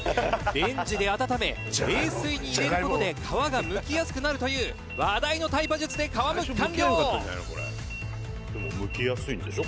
「レンジで温め冷水に入れる事で皮がむきやすくなるという話題のタイパ術で皮むき完了！」でもむきやすいんでしょ？